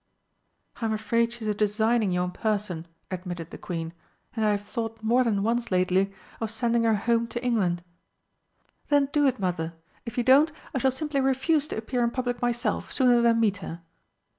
"I'm afraid she is a designing young person," admitted the Queen, "and I have thought more than once lately of sending her home to England." "Then do it, Mother. If you don't, I shall simply refuse to appear in public myself, sooner than meet her."